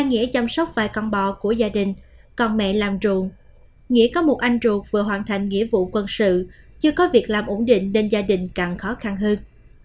nghĩa có một anh ruột vừa hoàn thành nghĩa vụ quân sự chưa có việc làm ổn định nên gia đình càng khó khăn hơn